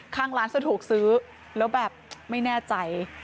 ข้างร้านสะดวกซื้อแล้วแบบไม่แน่ใจ